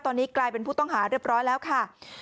ตอนนี้กลายเป็นผู้ต้องหาเรียบร้อยแล้วค่ะ